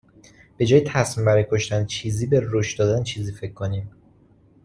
به جای تصمیم برای کشتن چیزی به رشد دادن چیزی فکر کنیم